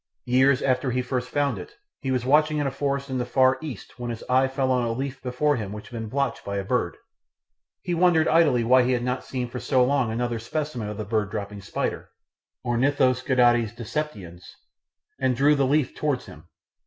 Years after he first found it he was watching in a forest in the Far East when his eye fell on a leaf before him which had been blotched by a bird. He wondered idly why he had not seen for so long another specimen of the bird dropping spider (Ornithoscatoides decipiens), and drew the leaf towards him.